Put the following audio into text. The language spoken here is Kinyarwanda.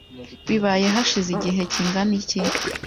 Bibaye hashize igihe kingana iki?